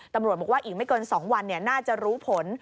ตำรวจบอกว่าอีกไม่เกิน๒วันน่าจะรู้ผล